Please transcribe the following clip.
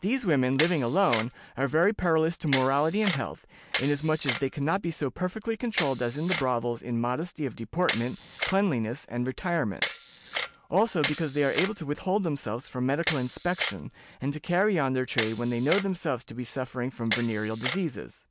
These women, living alone, are very perilous to morality and health, inasmuch as they can not be so perfectly controlled as in the brothels in modesty of deportment, cleanliness, and retirement; also because they are able to withhold themselves from medical inspection, and to carry on their trade when they know themselves to be suffering from venereal diseases.